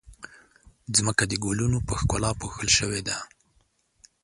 ځمکه د ګلونو په ښکلا پوښل شوې ده.